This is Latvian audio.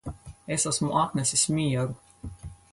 Es esmu atnesis mieru